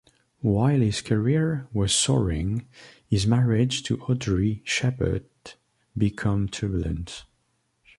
While his career was soaring, his marriage to Audrey Sheppard became turbulent.